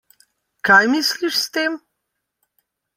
Kaj misliš s tem?